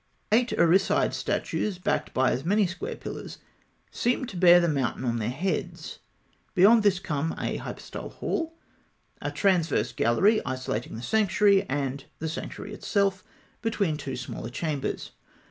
Eight Osiride statues backed by as many square pillars, seem to bear the mountain on their heads. Beyond this come (1) a hypostyle hall; (2) a transverse gallery, isolating the sanctuary, and (3) the sanctuary itself, between two smaller chambers.